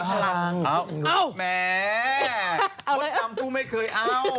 พ่อดำผู้ไม่เคยอ้าว